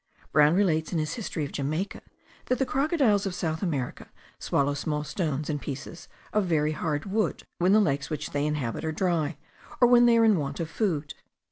Brown relates in his History of Jamaica that the crocodiles of South America swallow small stones and pieces of very hard wood, when the lakes which they inhabit are dry, or when they are in want of food.